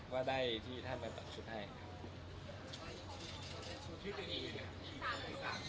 ว่าได้ที่ท่านมาตัดชุดให้ครับ